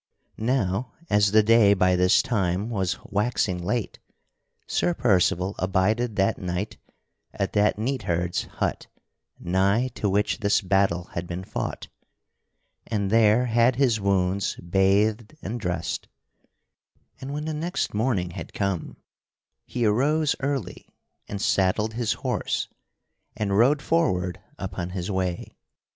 [Sidenote: Sir Percival goeth forward upon his adventure] Now, as the day by this time was waxing late, Sir Percival abided that night at that neatherd's hut nigh to which this battle had been fought and there had his wounds bathed and dressed; and when the next morning had come he arose early, and saddled his horse, and rode forward upon his way.